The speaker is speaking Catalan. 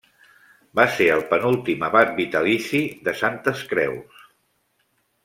Va ser el penúltim abat vitalici de Santes Creus.